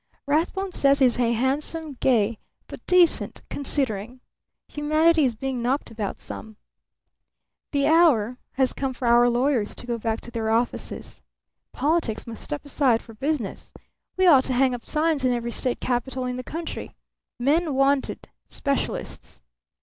"Rathbone says he's handsome, gay, but decent, considering. Humanity is being knocked about some. The hour has come for our lawyers to go back to their offices. Politics must step aside for business. We ought to hang up signs in every state capitol in the country: 'Men Wanted Specialists.'